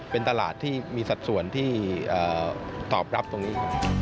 เป็นตลาดที่มีสัดส่วนที่ตอบรับตรงนี้